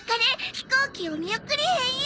飛行機お見送り編」よ。